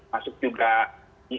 masuk juga desain regulasinya disesuaikan